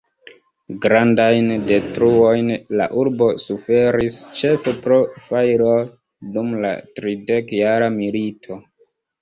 Grandajn detruojn la urbo suferis, ĉefe pro fajroj, dum la Tridekjara milito.